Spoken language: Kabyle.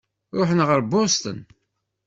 Ṛuḥen ɣer Boston.